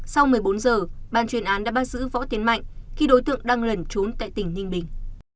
sau một mươi bốn giờ ban chuyên án đã bắt giữ võ tiến mạnh khi đối tượng đang lẩn trốn tại tỉnh ninh bình